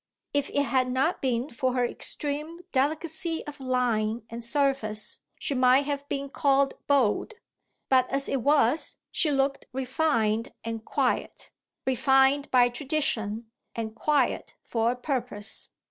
If it had not been for her extreme delicacy of line and surface she might have been called bold; but as it was she looked refined and quiet refined by tradition and quiet for a purpose.